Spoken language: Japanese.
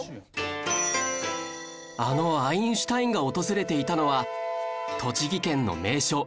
あのアインシュタインが訪れていたのは栃木県の名所